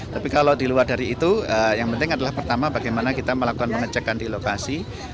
tapi kalau di luar dari itu yang penting adalah pertama bagaimana kita melakukan pengecekan di lokasi